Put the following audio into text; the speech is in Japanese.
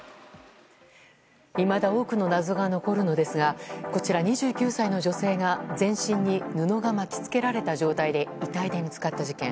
いまだ多くの謎が残るのですがこちら、２９歳の女性が全身に布が巻き付けられた状態で遺体で見つかった事件。